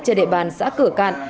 trên đệ bàn xã cửa cạn